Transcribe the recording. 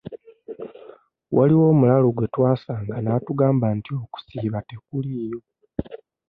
Waliwo omulalu gwe twasanga n'atugamba nti okusiiba tekuliiyo.